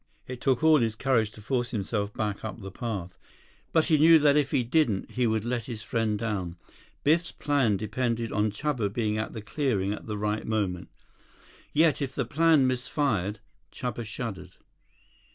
It took all his courage to force himself back up the path. But he knew that if he didn't, he would let his friend down. Biff's plan depended on Chuba's being at the clearing at the right moment. Yet, if the plan misfired—Chuba shuddered.